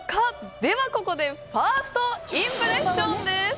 では、ここでファーストインプレッションです。